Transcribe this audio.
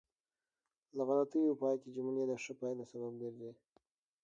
له غلطیو پاکې جملې د ښه پایلو سبب ګرځي.